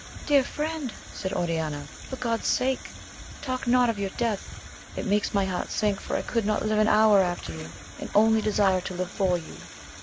Dear friend, said Oriana, for God's sake talk not of your death ! it makes my heart sink, for I could not live an hour after you, and only desire to live for you.